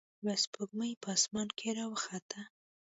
یوه سپوږمۍ په اسمان کې راوخته.